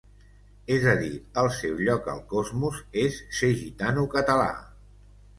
És a dir, el seu lloc al cosmos és ser gitano català.